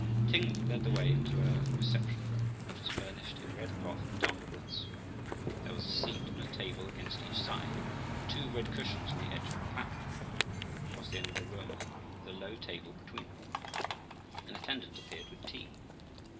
Ting led the way into a reception room which was furnished in red cloth and dark woods. There was a seat and a table against each side, and two red cushions on the edge of a platform across the end of the room, with a low table between them. An attendant appeared with tea.